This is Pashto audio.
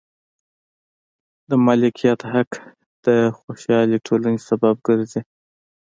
د مالکیت حق د خوشحالې ټولنې سبب ګرځي.